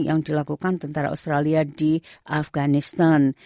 yang dilakukan tentara australia di afganistan